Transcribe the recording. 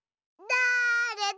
だれだ？